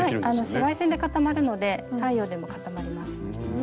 紫外線で固まるので太陽でも固まります。